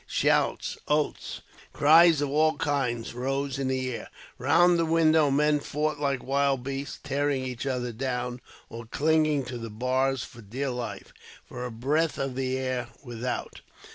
Shouts, oaths, cries of all kinds, rose in the air. Round the window men fought like wild beasts, tearing each other down, or clinging to the bars for dear life, for a breath of the air without.